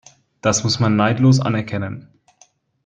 Das muss man neidlos anerkennen.